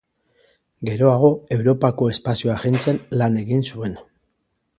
Geroago Europako Espazio Agentzian lan egin zuen.